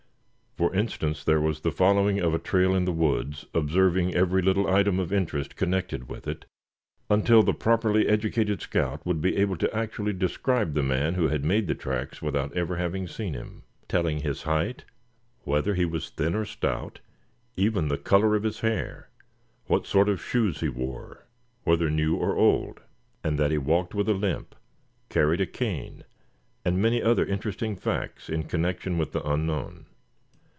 For instance there was the following of a trail in the woods, observing every little item of interest connected with it, until the properly educated scout would be able to actually describe the man who had made the tracks without ever having seen him, telling his height, whether thin or stout, even the color of his hair, what sort of shoes he wore, whether new or old, and that he walked with a limp, carried a cane, and many other interesting facts in connection with the unknown.